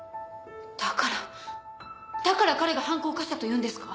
だからだから彼が犯行を犯したというんですか？